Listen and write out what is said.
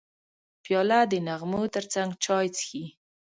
پیاله د نغمو ترڅنګ چای څښي.